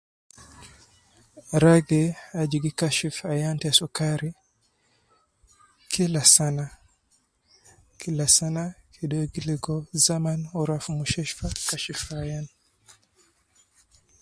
Ragi aju gi Kashif ayan te sukari ,kila sana, kila sana kede uwo gi ligo zaman uwo rua fi mustashtfa fi Kashif ayan